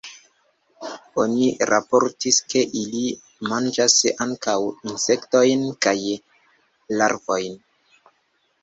Oni raportis, ke ili manĝas ankaŭ insektojn kaj larvojn.